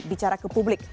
bicara ke publik